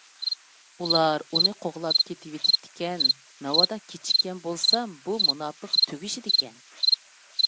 ئۇلار ئۇنى قوغلاپ كېتىۋېتىپتىكەن. ناۋادا كېچىككەن بولسام بۇ مۇناپىق تۈگىشىدىكەن.